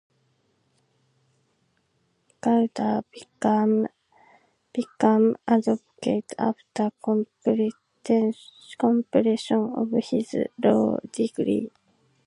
Gowda became advocate after completion of his law degree.